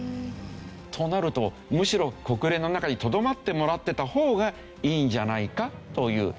となるとむしろ国連の中にとどまってもらってた方がいいんじゃないかという。